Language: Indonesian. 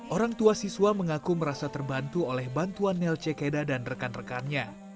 orang tua siswa mengaku merasa terbantu oleh bantuan nelce keda dan rekan rekannya